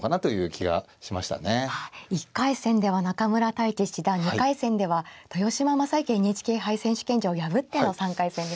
１回戦では中村太地七段２回戦では豊島将之ＮＨＫ杯選手権者を破っての３回戦ですね。